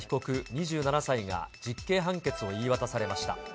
２７歳が実刑判決を言い渡されました。